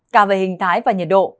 cả về hình thái và nhiệt độ